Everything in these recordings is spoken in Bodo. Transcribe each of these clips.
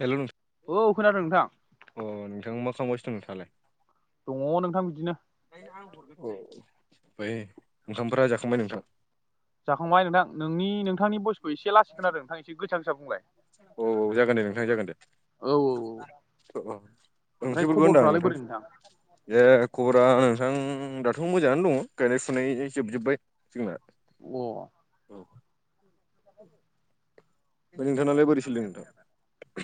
हेल' नोंथां औ खोनादों नोंथां। अ नोंथां मा खालामगासिनो दं नोंथाङालाय? दङ नोंथां बिदिनो। औ ओमफाय ओंखामफोरा जाखांबाय नोंथां? जाखांबाय नोंथां नोंनि नोंथांनि बयसखौ एसे लासै खोनादों नोंथां एसे गोसा गोसा बुंलाय। औ जागोन दे नोंथां जागोन दे। औ औ अओ ओ ओमफ्राय ओंख्रिफोरखौ होनदां खबरफ्रालाय नोंथां। बोरै ए खबरा नोंथां दाथ' मोजाङानो दङ गायनाय फुनाय जोबजोब्बाय जोंना। [inaudible] औ ओमफाय नोंथांनाल बोरै सोलिदों नोंथां?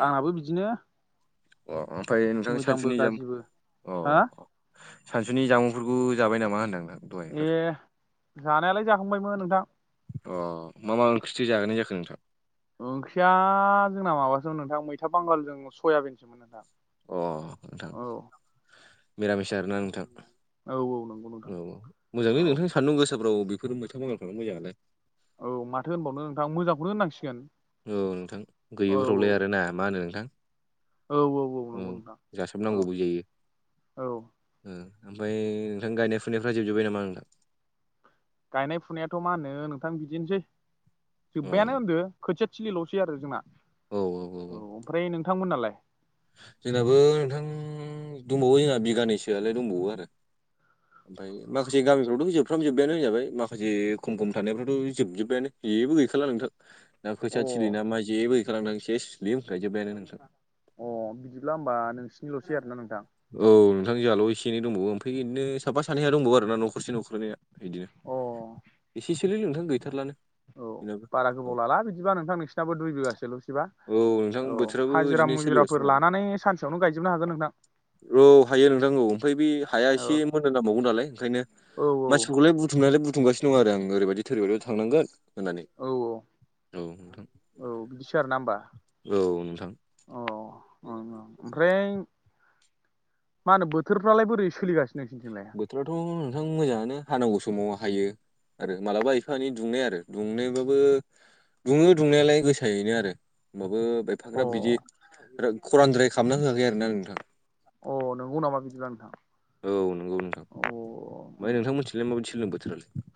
आंनाबो बिदिनो। अ ओमफ्राय नोंथां मोजांबो सानसे निजोम गाज्रिबो अ हा अ सानसुनि जामुंफोरखौ जाबाय नामा होनदां नोंथां? दहायफोर? ए जानायालाय जाखांबायमोन नोंथां। अ मा मा ओंख्रिथो जाहोनाय जाखो नोंथां? ओंख्रिया जोंना माबासोमोन नोंथां मैथा बांगालजों सयाबिनसोमोन नोंथां। अ नोंथां। औ निरामिसा आरोना नोंथां औ औ नंगौ नोंथां औ औ मोजांङो नोंथां। सान्दुं गोसाफ्राव बेफोर मैथा बांगालफ्रानो मोजाङानो। औ माथो होनबावनो नोंथां मोजांखौनो होननांसिगोन। औ नोंथां औ गैयिफ्रावलाय आरो ना मा होनो नोंथां। औ औ नंगौ नोंथां औ जासाबनांगौबो जायो। औ ओ ओमफ्राय नोंथां गायनाय फुनायफ्रा जोबजोब्बाय नामा नोंथां? गायनाय फुनायाथ' मा होनो नोंथां बिदिनोसै अ जोब्बायानो होनदो खोथिया थिलिल'सै आरो जोंना। औ औ औ औ ओमफ्राय नोंथांमोननालाय? जोंनाबो नोंथां दंबावो जोंहा बिगानैसोआलाय दंबावो आरो। ओमफ्राय माखासे गामिफ्रावथ' जोबफ्राम जोबयानो होनजाबाय माखासे खम खम थानायफ्रावथ' जोबजोबायानो जेबो गैखाला नोंथां। दा अ खोथिया थिलि नामा जेबो गैखाला नोंथां सेस सिलिम होनखायजोबायानो नोंथां। अ बिदिब्ला होमबा नोंसिनिल'सै आरोना नोंथां। औ नोंथां जोंहल' एसेनै दंबावो ओमफ्राय बिदिनो साफा सानै दंबावो आरोना न'खरसे न'खरनैया। बिदिनो अ एसेक एसे ललै नोंथां गैथारलानो। औ बेनाबो बारा औ गोबाव लाला बिदिबा नोंथां नोंसिनाबो दुइ बिगासोल' बा औ नोंथां औ बोथोराबो हाजिरा बिदिनो सोलिगासिनो मुजिराफोर नालाय लानानै सानसेयावनो गायजोबनो हागोन नोंथां औ हायो नोंथां औ ओमफ्राय बे हाया औ एसे मोनोां जांबावगोन नालाय ओंखायनो औ मानसिफोरखौलाय बुथुमनायालाय बुथुमगासिनो दं आरो आं ओरैबायदि थोरैबायदि थांनांगोन होननानै औ औ नोंथां औ बिदिसो आरोना होमबा औ-औ नोंथां औ ओमफ्राय मा होनो बोथोरफ्रालाय बोरै सोलिगासिनो नोंसोरनिथिंलाय बोथोराथ' नोंथां मोजाङानो हानांगौ समाव हायो आरो मालाबा एफा एानै दुंनाय आरो दुंनायबाबो दुङो दुंनायालाय गोसायैनो आरो होमबाबो अ एफाग्रााब बिदि खरानद्राय खालामना होयाखै आरोना नोंथां अ नोंगौ नामा बिदिबा नोंथां औ नंगौ नोंथां अ ओमफ्राय उम नोंथां मोनथिलाय माबायदि सोलों बोथोरालाय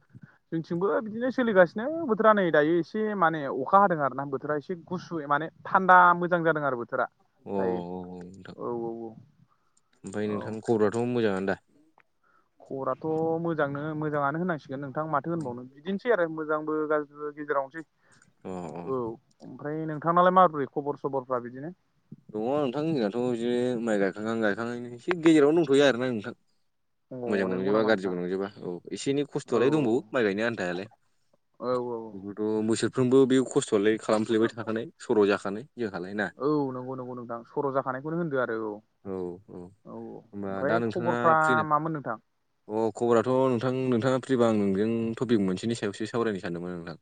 जोंथिंबो बिदिनो सोलिगासिनो बोथोरा नै दायो एसे माने अखा हादों आरोना बोथोरा एसे गुसु माने थानदा मोजां जादों आरो बोथोरा अ दायो औ-औ नोंथां औ औ ओमफ्राय नोंथां खबराथ' मोजाङानो दा खबराथ' मोजांनो मोजाङानो होनांसिगोन नोंथां माथो होनबावनो बिदिनोसै आरो मोजांबो गाज्रिबो गेजेरावनोसै अ अ औ ओमफ्राय नोंथांनालाय माबोरै खबर सबरफ्रा बिदिनो दङ नोंथां जोंनाथ' बिदिनो माइ गायखांहां गायखांहांनो एसे गेजेराव दंथ'यो आरोना नोंथां अ मोजांबो नंगौ नंजोबा नामा नोंथां गाज्रिबो नंजोबा औ एसे एन खस्थ'लाय दंबावो माइ गायनो आन्थायालाय औ-औ बेखौथ' बोसोरफ्रोमबो बे खस्थ'आलाय खालामफ्लेबाय थाखानाय सर' जाखानाय जोंहालाय ना औ नंगौ नंगौ नोंथां सर' जाखानायखौनो होनदो आरो औ औ होमबा दा ओमफ्राय नोंथाङा खबरफ्रा फ्रिना मामोन नोंथां अ खबराथ' नोंथां नोंथाङा फ्रिबा आं नोंजों टपिक मोनसेनि सायावसो सावरायनो सानदोंमोन नोंथां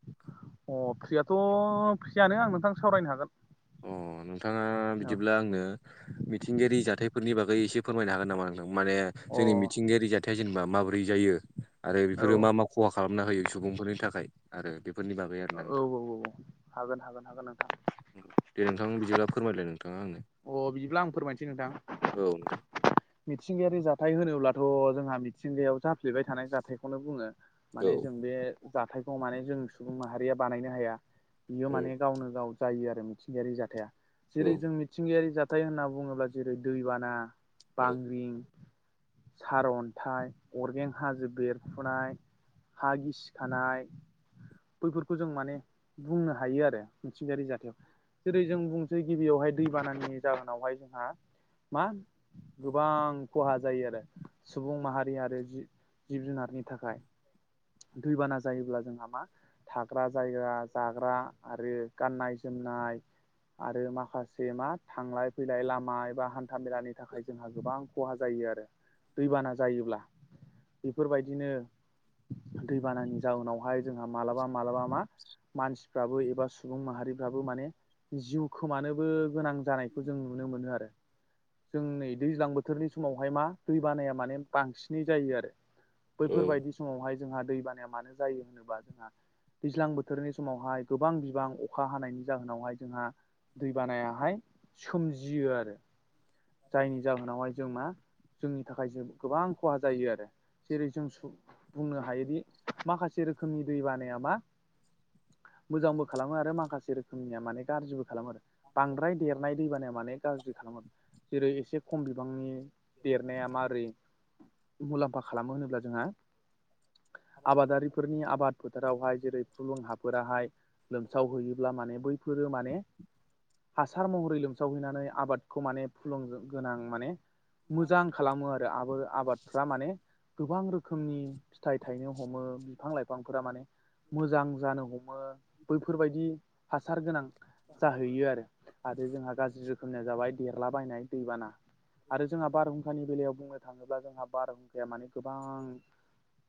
अ फ्रियाथ' फ्रियानो आं नोंथां सावरायनो हागोन अ नोंथाङा औ बिदिब्ला आंनो मिथिंगायारि जाथायफोरनि बागै एसे फोरमायनो हागोन नामा नों माने अ औ जोंनि मिथिंगायारि जाथाया जेनेबा माबोरै जायो आरो औ बेफोरो मा मा खहा खालामना होयो सुबुंफोरनि थाखाय आरो बेफोरनि बागै आरोना नोंथां औ-औ-औ हागोन हागोन हागोन नोंथां दे नोंथां बिदिब्ला फोरमायलाय नोंथाङा आंनो अ बिदिब्ला आं फोरमायनोसै नोंथां औ नोंथां मिथिंगायारि जाथाय होनोब्लाथ' जोंहा मिथिंगायाव जाफ्लेबाय थानाय जाथायखौनो बुङो औ माने जों बे जाथायखौ माने जों सुबुं माहारिया बानायनो हाया बियो औ माने गावनो गाव जायो आरो मिथिंगायारि जाथाया औ जेरै जों मिथिंगायारि जाथाय होनना बुङोब्ला जेरै दैबाना औ बांग्रिं सार अनथाइ अरगें हाजो बेरफ्रुनाय हा गिसिखानाय बैफोरखौ जों माने बुंनो हायो आरो मिथिंगायारि जाथाय जेरै जों बुंनोसै गिबियावहाय दैबानानि जाहोनावहाय जोंहा मा गोबां खहा जायो आरो सुबुं माहारि आरो जि जिब जुनारनि थाखाय दैबाना जायोब्ला जोंहा मा थाग्रा जायगा जाग्रा आरो गाननाय जोमनाय आरो माखासे मा थांलाय फैलाय लामा एबा हानथा मेलानि थाखाय जोंहा गोबां खहा जायो आरो दैबाना जायोब्ला बेफोरबायदिनो दैबानानि जााहोनावहाय जोंहा मालाबा मालाबा मा मानसिफ्राबो एबा सुबुं माहारिफ्राबो माने जिउ खोमानोबो गोनां जानायखौ जों नुनो मोनो आरो जों नै दैज्लां बोथोरनि समावहाय मा दै बानाया माने बांसिनै जायो आरो बैफोरबायदि समावहाय जोंहा दै बानाया मानो जायो होनोबा जोंहा दैज्लां बोथोरनि समावहाय गोबां बिबां अखा हानायनि जाहोनावहाय जोंहा दै बानायाहाय सोमजियो आरो जायनि जाहोनावहाय जों मा जोंनि थाखाय जों गोबां खहा जायो आरो। जेरै जों बुंनो हायोदि माखासे रोखोमनि दै बानाया मा मोजांबो खालामो आरो माखासे रोखोमनिया माने गाज्रिबो खालामो आरो बांद्राय देरनाय दैबानाया माने गाज्रि खालामोन जेरै एसे खम बिबांनि देरनाया माबोरै मुलाम्फा खालामो होनोब्ला जोंहा आबादारिफोरनि आबाद आबाद फोथारावहाय जेरै फुलुं हाफोराहाय लोमसावहैयोब्ला माने बैफोरो माने हासार महरै लोमसावहैनानै आबादखौ माने फुलुं गोनां माने मोजां खालामो आरो आ आबाद फ्रा माने गोबां रोखोमनि फिथाइ थायनो हमो बिफां लाइफांफोरा माने मोजां जानो हमो बैफोरबायदि हासार गोनां जाहैयो आरो आरो जोंहा गाज्रि रोखोमनिया जाबाय देरलाबायनाय दैबाना आरो जोंहा बारहुंखानि बेलायाव बुंनो थाङोब्ला जोंहा बारहुंखाया माने गोबां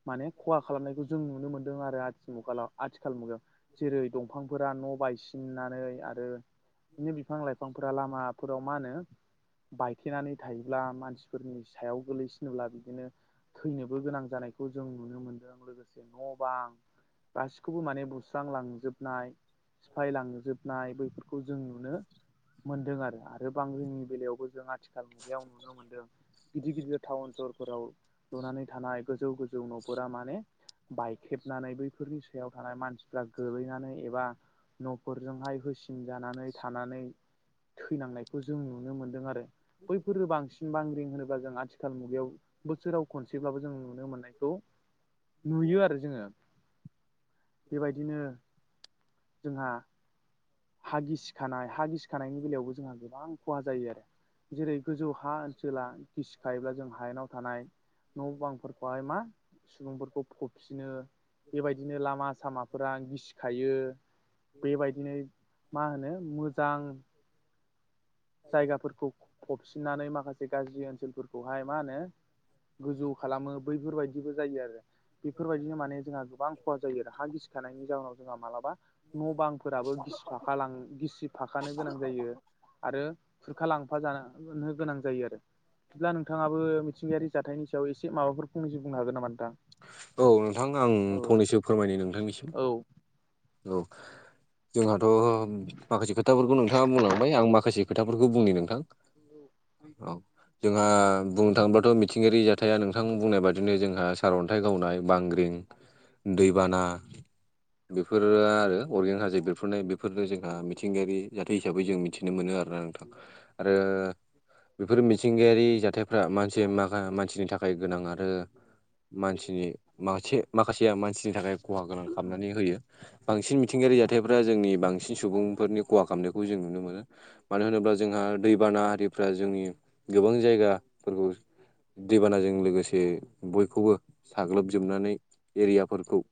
माने खहा खालामनायखौ जों नुनो मोनदों आरो आथि मुाल आथिखाल मुगायाव जेरै दंफांफोरा न' बायसि नानै आरो बिदिनो बिफां लाइफांफोरा लामाफोराव मा होनो बायथेनानै थायोब्ला मानसिफोरनि सायाव गोगलैसिनोब्ला बिदिनो थैनोबो गोनां जानायखौ जों नुनो मोनदों लोगोसे न' बां गासिखौबो माने बुस्रां लांजोबनाय सिफायलांजोबनाय बैफोरखौ जों नुनो मोनदों आरो आरो बांरोनि बेलायावबो जों आथिखाल मुगायाव नुनो मोनदों गिदिर गिदिर टाउन सहरफोराव लुनानै थानाय गोजौ गोजौ न'फोरा माने बायखेबनानै बैफोरनि सायाव थानाय मानसिफ्रा गोलैनानै एबा न'फोरजोंहाय होसिन जानानै थानानै थैनांनायखौ जों नुनो मोनदों आरो। बैफोरो बांसिन बांग्रिं होनोब्ला जों आथिखाल मुगायाव बोसोराव खनसेब्लाबो जों नुनो मोननायखौ नुयो आरो जोङो बेबायदिनो जोंहा हा गिसिखानाय हा गिसिखानायनि बेलायावबो जोंहा गोबां खहा जायो आरो। जेरै गोजौ हा ओनसोला गिसिखायोब्ला जों हायेनाव थानाय न' बांफोरखौहाय मा सुबुंफोरखौ फबफिनो। बेबायदिनो लामा सामाफोरा गिसिखायो बेबायदिनो मा होनो मोजां जायगाफोरखौ फबसिननानै माखासे गाज्रि ओनसोलफोरखौहाय मा होनो गोजौ खालामो बैफोरबायदिबो जायो आरो। बेफोरबायदिनो माने जोंहा गोबां खहा जायो आरो हा गिसिखानायनि जााहनाव जोंहा मालाबा न' बां फोराबो गिसिफाखा लां गिसिफाखानो गोनां जायो। आरो खुरखालांफा जानो गोनां जायो आरो। बिदिब्ला नोंथाङाबो मिथिंगायारि जाथायनि सायाव एसे माबाफोर फुंनि बुंनो हागोन नामा नोंथां? औ नोंथां आं औ फंनैसो फोरमायनो नोंथांनिसिम। औ औ जोंहाथ' माखासे खोथाफोरखौ नोंथाङा बुंलांबाय आं माखासे खोथाफोरखौ बुंनि नोंथां औ। जोंहा बुंनो थाङोबाथ' मिथिंगायारि जाथाया नोंथां बुंनाय बादिनो जोंहा सारअन्थाइ गावनाय बांग्रिं दैबाना बेफोर आरो अरगेन हाजो बेरफोरनाय बेफोरनो जोंहा मिथिंगायारि जाथाय हिसाबै जों मिथिनो मोनो आरोना नोंथां आरो बेफोर मिथिंगायारि जाथायफ्रा मानसि मा मानसिनि थाखाय गोनां आरो मानसिनि माखासे माखासेया मानसिनि थाखाय खहा गोनां खालामनानै होयो। बांसिन मिथिंगायारि जाथायफ्रा जोंनि बांसिन सुबुंफोरनि खहा खालामनायखौ जों नुनो मोनो। मानो होनोब्ला जोंहा दैबाना आरारिफ्रा जोंनि गोबां जायगाफोरखौ दैबानाजों लोगोसे बयखौबो साग्लोबजोबनानै एरियाफोरखौ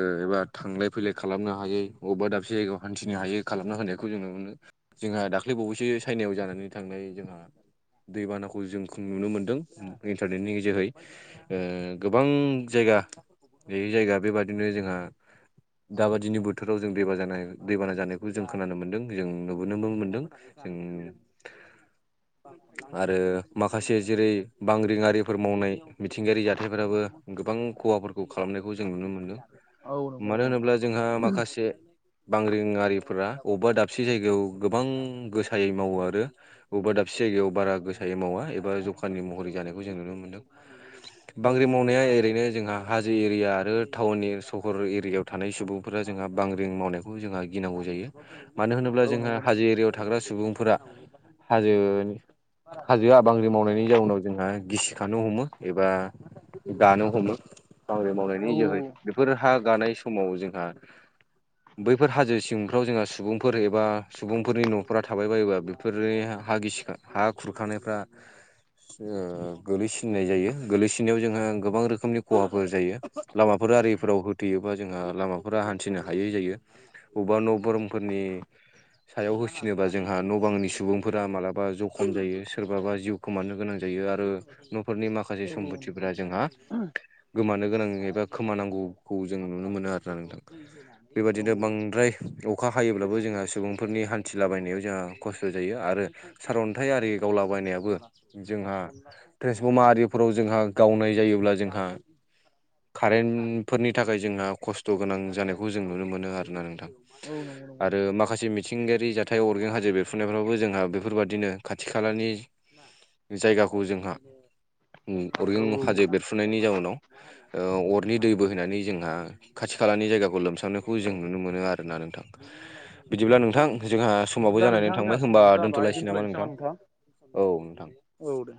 ओ एबा थांलाय फैलाय खालामनो हायै बबेबा दाबसे जायगायाव हान्थिनो हायै खालामना होनायखौ जोङो मोनो। जोंहा दाख्लै बावैसो चाइनायाव जानानै थांनाय जोंहा दैबानाखौ जों नुनो मोन्दों इन्टारनेटनि जोहै ओ गोबां जायगा बिदि जायगा बेबादिनो जोंहा दाबादिनि बोथोराव जों दैबा जानाय दैबाना जानायखौ जों खोनानो मोन्दों जों नुबोनोबो मोनदों। जों आरो माखासे जेरै बांग्रिङारिफोर मावनाय मिथिंगायारि जाथायफोराबो गोबां खहाफोरखौ खालामनायखौ जों नुनो मोनदों औ नंगौ मानो नंगौ नोंथां होनोब्ला जोंहा माखासे बांग्रिङारिफोरा अबेबा दाबसे जायगायाव गोबां गोसायै मावो आरो बबेबा दाबसे जायगायाव बारा गोसायै मावा एबा जखाननि महरै जानायखौ जों नुनो मोनदों। औ बांग्रि मावनाया ओरैनो जोंहा हाजो एरिया आरो टाउन ए सहर एरियायाव थानाय सुबुंफोरा जोंहा बांग्रिं मावनायखौ जोंहा गिनांगौ जायो। मानो होनोब्ला औ औ जोंहा नंगौ नंगौ हाजो एरियायाव थाग्रा सुबुंफोरा हाजोनि हाजो आ बांग्रि मावनायनि जाउनाव जोंहा गिसिखानो हमो एबा गानो हमो बांग्रिं मावनायनि औ जोहै बेफोर हा गानाय समाव जोंहा बैफोर हाजो सिंफ्राव जोंहा सुबुंफोर एबा सुबुंफोरनि न'फोरा थाबाय बायोबा बेफोरनि हा गिसिखा हा खुरखानायफ्रा गोलैसिननाय जायो गोलैसिननायाव जोंहा गोबां रोखोमनि खहाफोर जायो लामाफोर आरि राव होथेयोबा जोंहा लामाफोरा हान्थिनो हायै जायो बबेबा न' बोरमफोरनि सायाव होसिनोबा जोंहा न' बांनि सुबुंफोरा मालाबा जखम जायो सोरबाबा जिउ खोमानो गोनां जायो आरो न'फोरनि मा माखासे औ नंगौ सम्फथिफोरा नोंथां जोंहा गोमानो गोनां एबा खोमानांगौ खौ जों नुनो मोनो आरोना नोंथां औ बेबादिनो बांद्राय औ अखा हायोब्लाबो जोंहा सुबुंफोरनि हान्थिलाबायनायाव जोंहा खस्थ' जायो आरो सारन्थाइ आरि गावलाबायनायाबो जोंहा ट्रेन्सफर्मार आरिफोराव जोंहा गावनाय जायोब्ला जोंहा कारेन्ट फोरनि थाखाय जोंहा खस्थ' गोनां जानायखौ जों नुनो मोनो आरोना नोंथां। औ नंगौ नंगौ आरो नोंथां माखासे मिथिंगायारि जा थाय अरगें हाजो बेरफ्रुनायफ्रावबो जोंहा बेफोरबादिनो खाथि खालानि जायगाखौ जोंहा उम औ अरगें हाजो औ बेरफुनायनि जाउनाव ओ अरनि दै बोहैनानै जोंहा खाथि खालानि जायगाखौ लोमसाबनायखौ जों औ नुनो मोनो आरो। आरोना नोंथां बिदिब्ला नोंथां जोंहा समावबो बिदिब्ला जानानै नोंथां जोंहा थांबाय होमबा समाबो जाबाय दोन्थ'लायसै नामा दोनथ'लायनोसै नोंथां औ नोंथां। औ दे